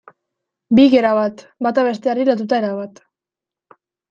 Bi gera bat, bata besteari lotuta erabat.